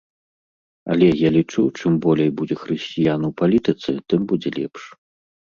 Але я лічу, чым болей будзе хрысціян у палітыцы, тым будзе лепш.